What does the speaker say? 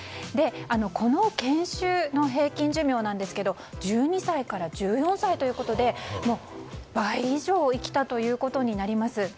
この犬種の平均寿命ですが１２歳から１４歳ということで倍以上生きたということになります。